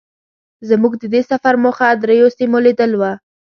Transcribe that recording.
زمونږ د دې سفر موخه درېيو سیمو لیدل وو.